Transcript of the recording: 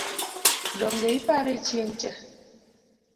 Donge ipare chieng’cha?